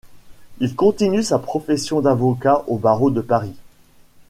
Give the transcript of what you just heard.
Il continue sa profession d'avocat au barreau de Paris.